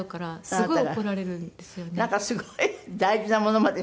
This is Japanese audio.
すごい。